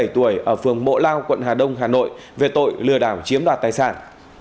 hai mươi tuổi ở phường mộ lao quận hà đông hà nội về tội lừa đảo chiếm đoạt tài sản